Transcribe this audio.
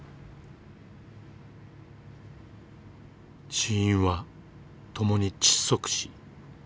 死因はともに窒息死。